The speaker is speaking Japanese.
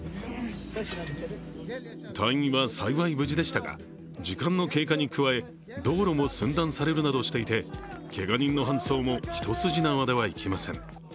隊員は幸い無事でしたが時間の経過に加え道路も寸断されるなどしていて、けが人の搬送も一筋縄ではいきません。